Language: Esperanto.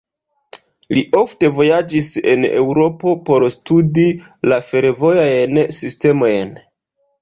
Li ofte vojaĝis en Eŭropo por studi la fervojajn sistemojn.